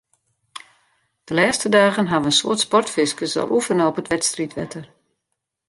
De lêste dagen hawwe in soad sportfiskers al oefene op it wedstriidwetter.